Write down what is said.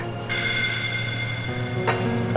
jadi mungkin aku akan sarapan di luar